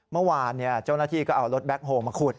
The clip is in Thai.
เมื่อวานเจ้าหน้าที่ก็เอารถแบ็คโฮลมาขุด